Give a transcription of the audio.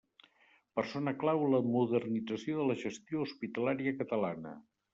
Persona clau en la modernització de la gestió hospitalària catalana.